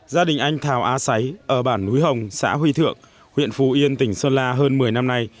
gia đình anh thào a sấy ở bản núi hồng xã huy thượng huyện phù yên tỉnh sơn la hơn một mươi năm nay